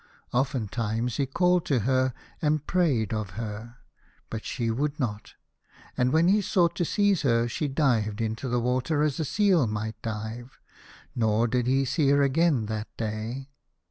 Oftentimes he called to her and prayed of her, but she would not ; and when he sought to seize her she dived into the water as a seal might dive, nor did he see her again that day.